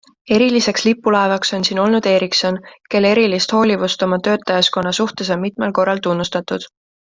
Eriliseks lipulaevaks on siin olnud Ericsson, kelle erilist hoolivust oma töötajaskonna suhtes on mitmel korral tunnustatud.